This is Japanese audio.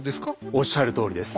おっしゃるとおりです。